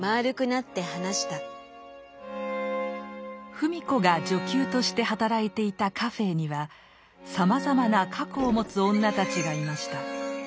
芙美子が女給として働いていたカフェーにはさまざまな過去を持つ女たちがいました。